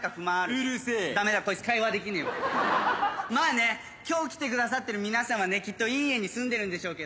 まぁね今日来てくださってる皆さんはねきっといい家に住んでるんでしょうけどね。